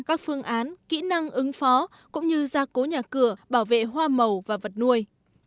các phương án kỹ năng ứng phó cũng như gia cố nhà cửa bảo vệ hoa màu và vật nuôi